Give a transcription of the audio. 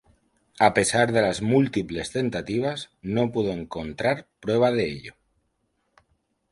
A pesar de las múltiples tentativas, no pudo encontrar prueba de ello.